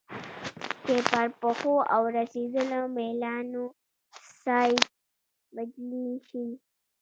چې پر پخو او رسېدلو میلانوسایټس بدلې شي.